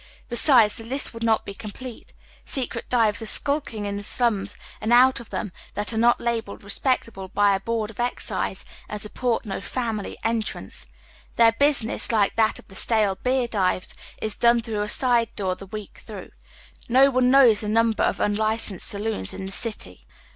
Besides, the list would not be complete. Secret dives are sknlking in the slums and out of them, that are not labelled respectable by a Board of Excise and support no " family entrance." Their business, like that of the stale beer dives, is done through a side door the week tlirongh. No one knows the number of unlicensed saloons in the city.